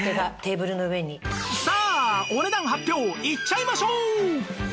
さあお値段発表いっちゃいましょう！